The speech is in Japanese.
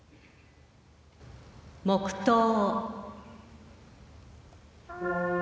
黙とう。